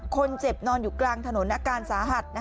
คนเจ็บนอนอยู่กลางถนนอาการสาหัส